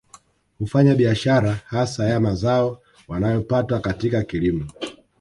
Hufanya biashara hasa ya mazao wanayo pata katika kilimo